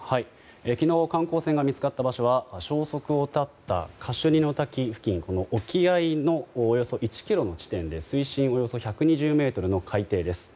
昨日、観光船が見つかった場所は消息を絶ったカシュニの滝付近の沖合のおよそ１ｋｍの地点で水深およそ１２０ｍの海底です。